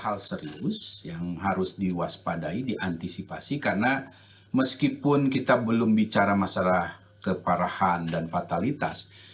hal serius yang harus diwaspadai diantisipasi karena meskipun kita belum bicara masalah keparahan dan fatalitas